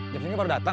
jam enam baru datang